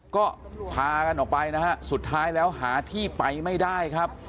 ก็พากันออกไปนะฮะสุดท้ายแล้วหาที่ไปไม่ได้ครับ